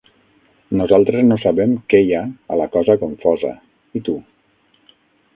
Nosaltres no sabem què hi ha a la cosa confosa, i tu?